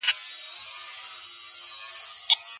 ولي بايد ستاسو ډوډۍ يوازې د تقوا خاوندان وخوري؟